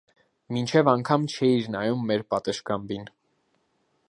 մինչև անգամ չէիր նայում մեր պատշգամբին: